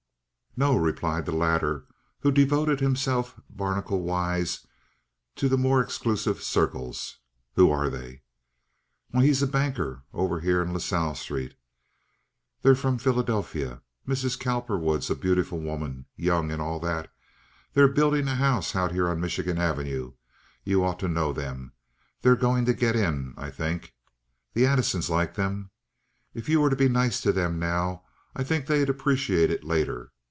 "No," replied the latter, who devoted himself barnacle wise to the more exclusive circles. "Who are they?" "Why, he's a banker over here in La Salle Street. They're from Philadelphia. Mrs. Cowperwood's a beautiful woman—young and all that. They're building a house out here on Michigan Avenue. You ought to know them. They're going to get in, I think. The Addisons like them. If you were to be nice to them now I think they'd appreciate it later.